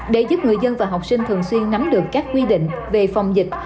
để giúp người dân và học sinh thường xuyên nắm được các quy định về phòng dịch